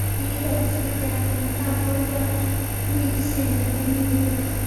胰管是将胰脏外分泌腺的分泌物。